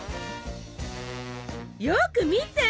よく見て！